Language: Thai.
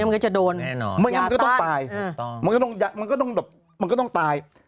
มันก็จะต้องตายมันก็ต้องตาย